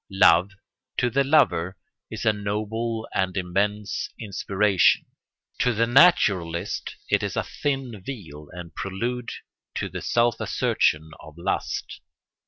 Love, to the lover, is a noble and immense inspiration; to the naturalist it is a thin veil and prelude to the self assertion of lust.